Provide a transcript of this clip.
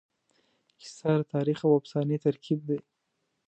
کیسه د تاریخ او افسانې ترکیب دی.